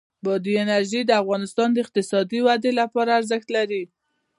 بادي انرژي د افغانستان د اقتصادي ودې لپاره ارزښت لري.